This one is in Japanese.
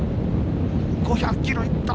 ５００キロいった！